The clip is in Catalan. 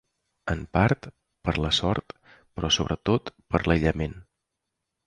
En part, per la sort, però sobretot, per l’aïllament.